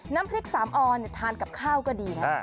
น้ำพริกสามออนทานกับข้าวก็ดีนะ